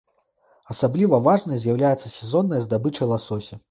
Асабліва важнай з'яўлялася сезонная здабыча ласося.